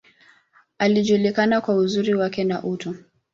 Alijulikana kwa uzuri wake, na utu.